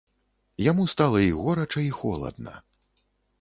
Яму стала і горача і холадна.